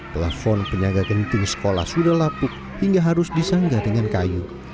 telepon penyaga genting sekolah sudah lapuk hingga harus disanggah dengan kayu